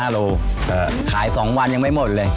โลขาย๒วันยังไม่หมดเลย